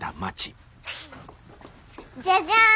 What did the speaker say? じゃじゃん！